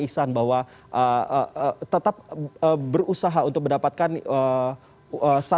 kita ada rencana untuk kehendak wonderful dari teman teman di rumah sakit swasta